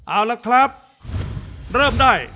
โอเคเริ่มได้